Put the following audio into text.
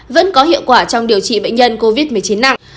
vẫn có hiệu quả trong điều trị bệnh nhân covid một mươi chín nặng